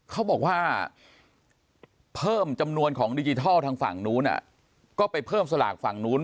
เขาบอกว่าเพิ่มจำนวนของดิจิทัลทางฝั่งนู้นก็ไปเพิ่มสลากฝั่งนู้น